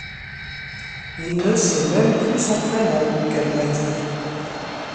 Il ne sait même plus son prénom, qu’elle m’a dit.